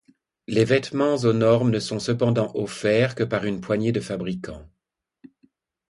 Les vêtements aux normes ne sont cependant offerts que par une poignée de fabricants.